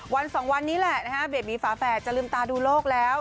สองวันนี้แหละนะฮะเบบีฝาแฝดจะลืมตาดูโลกแล้ว